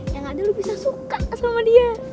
ya gak ada lo bisa suka sama dia